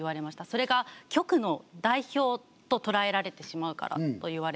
「それが局の代表と捉えられてしまうから」と言われて。